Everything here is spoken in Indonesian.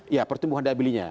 iya pertumbuhan daya belinya